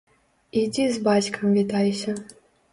Ідзі з бацькам вітайся.